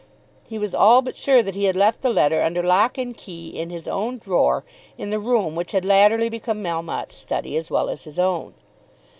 He was all but sure that he had left the letter under lock and key in his own drawer in the room which had latterly become Melmotte's study as well as his own.